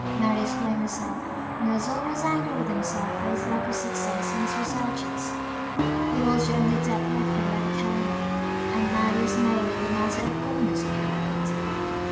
Marius blamed himself, and was almost angry with himself for his lack of success in his researches. It was the only debt left him by the colonel, and Marius made it a matter of honor to pay it.